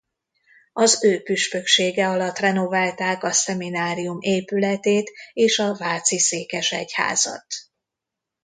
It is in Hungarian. Az ő püspöksége alatt renoválták a szeminárium épületét és a Váci székesegyházat.